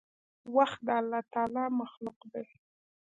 وخت د الله تعالي مخلوق دی.